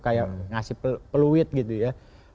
kayak ngasih peluit gitu ya